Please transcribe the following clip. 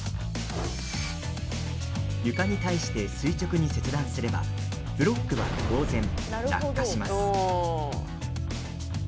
床に対して垂直に切断すればブロックは当然、落下します。